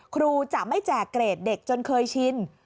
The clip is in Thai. ครูจะไม่แจกเกรดเด็กจนเคยชิน